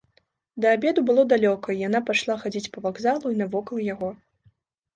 Да абеду было далёка, і яна пайшла хадзіць па вакзалу і навокал яго.